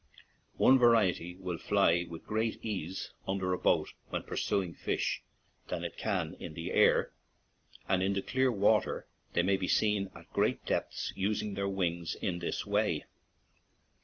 One variety will fly with greater ease under a boat when pursuing fish than it can in the air, and in the clear water they may be seen at great depths, using their wings in this way.